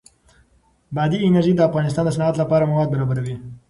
بادي انرژي د افغانستان د صنعت لپاره مواد برابروي.